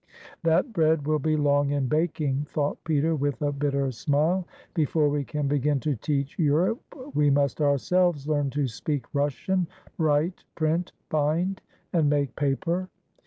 "That bread will be long in baking," thought Peter with a bitter smile. "Before we can begin to teach Europe we must ourselves learn to speak Russian, write, print, bind, and make paper."